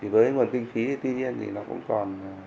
với nguồn kinh phí thì tuy nhiên nó cũng còn